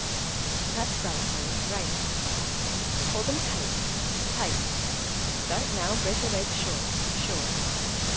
"That's right, man, right," he puffed. "Hold them tight; tight. Start now, break a leg sure, sure.